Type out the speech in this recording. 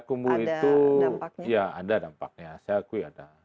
pak ekumbu itu ya ada dampaknya saya akui ada